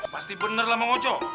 pasti bener lah bang ojo